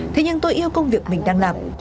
thế nhưng tôi yêu công việc mình đang làm